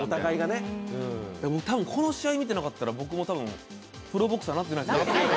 多分、この試合見てなかったら、僕もプロボクサーになってないですね。